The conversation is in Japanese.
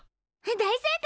大正解！